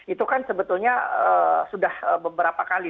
itu kan sebetulnya sudah beberapa kali